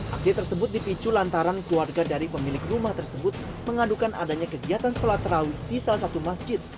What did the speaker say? aksi tersebut dipicu lantaran keluarga dari pemilik rumah tersebut mengadukan adanya kegiatan sholat terawih di salah satu masjid